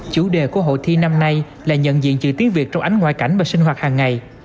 chủ đề của hội thi năm nay là nhận diện chữ tiếng việt trong ánh ngoại cảnh và sinh hoạt hàng ngày